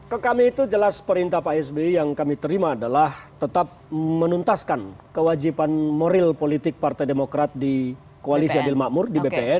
ke kami itu jelas perintah pak sby yang kami terima adalah tetap menuntaskan kewajiban moral politik partai demokrat di koalisi adil makmur di bpn